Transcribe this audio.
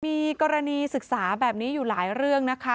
มีกรณีศึกษาแบบนี้อยู่หลายเรื่องนะคะ